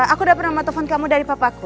aku dapat nomor telepon kamu dari papaku